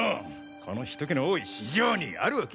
このひとけの多い市場にあるわけ。